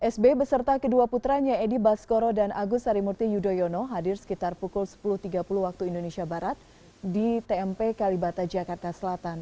sb beserta kedua putranya edi baskoro dan agus harimurti yudhoyono hadir sekitar pukul sepuluh tiga puluh waktu indonesia barat di tmp kalibata jakarta selatan